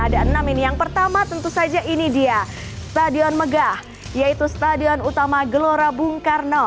ada enam ini yang pertama tentu saja ini dia stadion megah yaitu stadion utama gelora bung karno